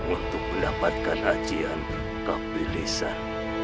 untuk mendapatkan hajian kebilisan